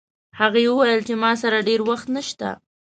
هغې وویل چې ما سره ډېر وخت نشته